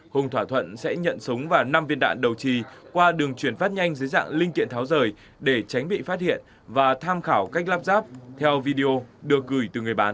hùng thỏa thuận sẽ nhận súng và năm viên đạn đầu trì qua đường chuyển phát nhanh dưới dạng linh kiện tháo rời để tránh bị phát hiện và tham khảo cách lắp ráp theo video được gửi từ người bán